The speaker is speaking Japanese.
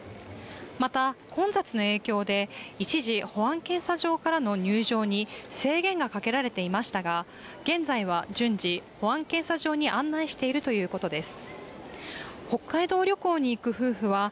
また、混雑の影響で一時、保安検査場からの入場に制限がかけられていましたが、現在は順次、保安検査場に案内しているということです。